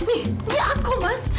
ini aku mas